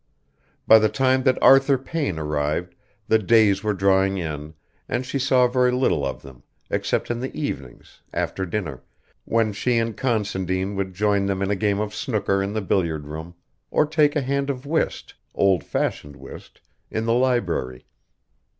By the time that Arthur Payne arrived the days were drawing in, and she saw very little of them, except in the evenings, after dinner, when she and Considine would join them in a game of snooker in the billiard room, or take a hand of whist, old fashioned whist, in the library.